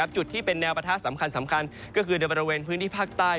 จุดที่เป็นแนวปะทะสำคัญก็คือในบริเวณพื้นที่ภาคใต้